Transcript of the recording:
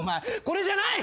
これじゃない！